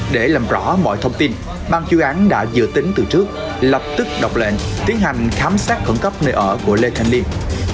để làm rõ mọi thông tin ban chuyên án đã dự tính từ trước lập tức đọc lệnh tiến hành khám sát khẩn cấp nơi ở của lê thanh liêm